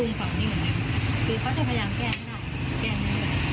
ไม่เกี่ยวกับป้วย